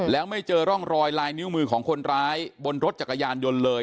แล้วไม่เจอร่องรอยลายนิ้วมือของคนร้ายบนรถจักรยานยนต์เลย